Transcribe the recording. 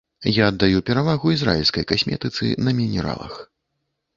Я аддаю перавагу ізраільскай касметыцы на мінералах.